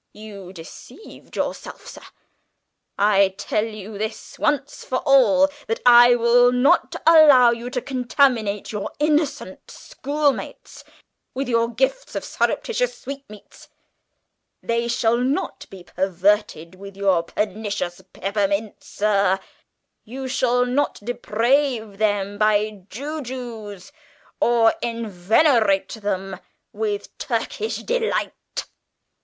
You deceived yourself, sir! I tell you, once for all, that I will not allow you to contaminate your innocent schoolmates with your gifts of surreptitious sweetmeats; they shall not be perverted with your pernicious peppermints, sir; you shall not deprave them by jujubes, or enervate them with Turkish Delight!